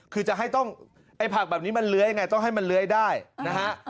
คือจะให้ต้องไอ้ผักแบบนี้มันเลื้อยยังไงต้องให้มันเลื้อยได้นะฮะ